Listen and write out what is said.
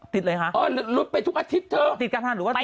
ติดเลยหะอ๋อรถไปทุกอาทิตย์เถอะติดกันทั้นหรือว่า